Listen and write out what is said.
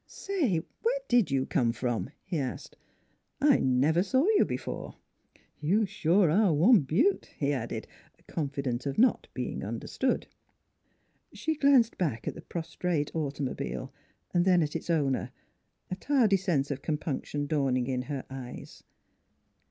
"Say, where did you come from?" he asked. " I never saw you before. ... You sure are one beaut," he added, confident of not being un derstood. She glanced back at the prostrate automobile; then at its owner, a tardy sense of compunction dawning in her eyes.